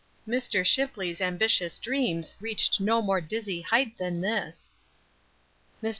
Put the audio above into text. Mr. Shipley's ambitious dreams reached no more dizzy height than this. Mr.